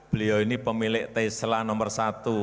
beliau ini pemilik tesla nomor satu